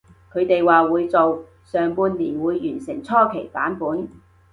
佢哋話會做，上半年會完成初期版本